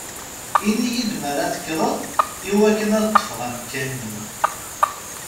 Ini-yi-d mi ara tekkreḍ i wakken ad ṭṭfeɣ amkan-nni!